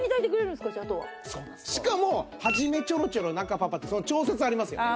しかも始めちょろちょろ中ぱっぱってその調節ありますよね。